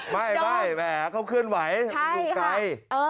ไม่เขาเคลื่อนไหวดูไกล